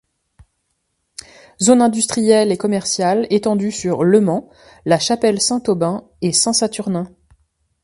Zone industrielle et commerciale étendue sur Le Mans, La Chapelle-Saint-Aubin et Saint-Saturnin.